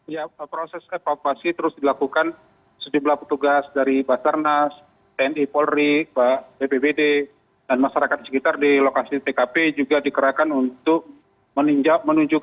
ya proses evakuasi terus dilakukan sedemikian petugas dari basarnas tni polri bppt dan masyarakat di sekitar di lokasi tkp juga dikerahkan untuk menuju ke tkp